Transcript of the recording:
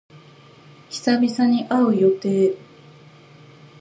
久々に会う予定。